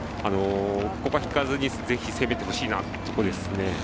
ここは引かずにぜひ攻めてほしいなっていうところですね。